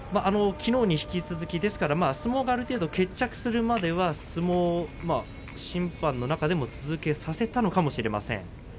きのうに引き続きですが相撲が決着するまでは相撲を続けさせたのかもしれません。